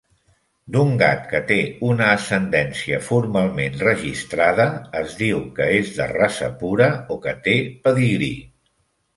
D'un gat que té una ascendència formalment registrada es diu que és de raça pura o que té pedigrí.